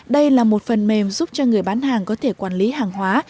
đây là một phần mềm giúp cho người bán hàng có thể quản lý hàng hóa